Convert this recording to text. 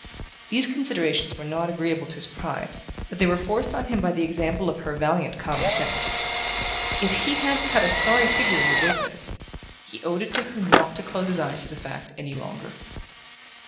These considerations were not agreeable to his pride, but they were forced on him by the example of her valiant common sense. If he had cut a sorry figure in the business, he owed it to her not to close his eyes to the fact any longer...